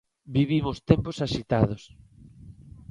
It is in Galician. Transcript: "Vivimos tempos axitados".